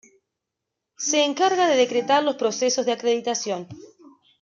Se encarga de decretar los procesos de acreditación.